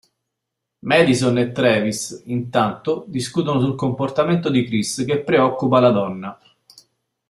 Madison e Travis, intanto, discutono sul comportamento di Chris che preoccupa la donna.